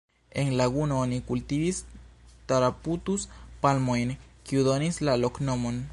En laguno oni kultivis Taraputus-palmojn, kiu donis la loknomon.